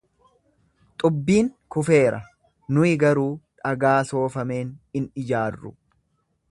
Xubbiin kufeera, nuyi garuu dhagaa soofameen in ijaarru.